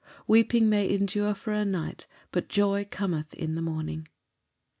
"Weeping may endure for a night, but joy cometh in the morning."